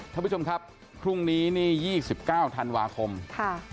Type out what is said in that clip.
ท่านผู้ชมครับพรุ่งนี้นี่ยี่สิบเก้าธันวาคมค่ะ